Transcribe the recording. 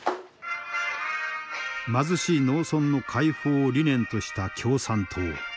貧しい農村の解放を理念とした共産党。